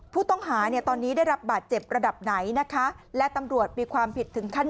ผู้ต้องหาตอนนี้ได้รับบาตเจ็บระดับไหน